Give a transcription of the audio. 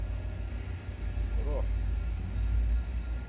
Truḥ.